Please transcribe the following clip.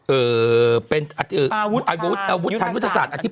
เอ่อเป็นอาวุธอาวุธทางยุทธศาสตร์อาทิตย